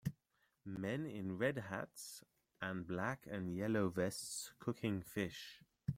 Men in red hats and black and yellow vests cooking fish